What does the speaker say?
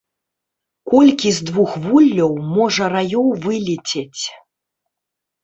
Колькі з двух вуллёў можа раёў вылецець?